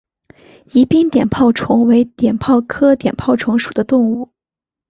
宜宾碘泡虫为碘泡科碘泡虫属的动物。